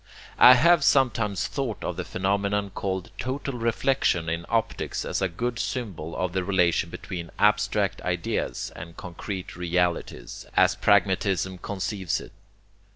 I have sometimes thought of the phenomenon called 'total reflexion' in optics as a good symbol of the relation between abstract ideas and concrete realities, as pragmatism conceives it.